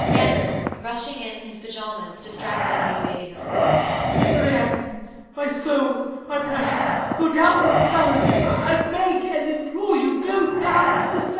RANDALL [rushing in in his pyjamas, distractedly waving a flute]. Ariadne, my soul, my precious, go down to the cellars: I beg and implore you, go down to the cellars!